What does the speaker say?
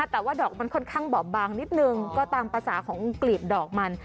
แต่ว่าดอกมันค่อนข้างบอบบางนิดนึงก็ตามภาษาของกลีบดอกมัน